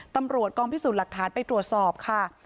ตำรวจกองพิสูจน์หลักฐานไปตรวจสอบค่ะ